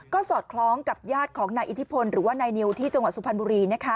ก็สอดคล้องกับญาติของนายอิทธิพลหรือว่านายนิวที่จังหวัดสุพรรณบุรี